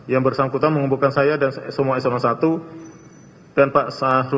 yang bersangkutan mengumpulkan saya dan semua s satu dan s dua